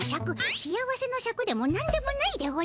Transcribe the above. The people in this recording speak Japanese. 幸せのシャクでもなんでもないでおじゃる。